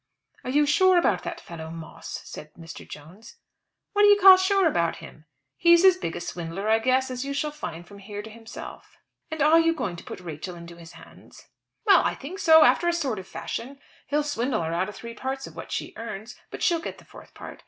"Are you sure about that fellow Moss?" said Mr. Jones. "What do you call sure about him? He's as big a swindler, I guess, as you shall find from here to himself." "And are you going to put Rachel into his hands?" "Well, I think so; after a sort of fashion. He'll swindle her out of three parts of what she earns; but she'll get the fourth part.